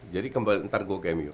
jadi ntar gue ke mu